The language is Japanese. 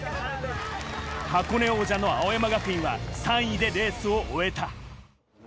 箱根王者の青山学院は３位でレースを終えた。